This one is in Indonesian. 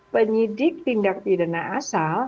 penyidik tindak pidana asal